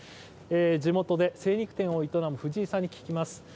地元で精肉店を営む藤井さんに聞きます。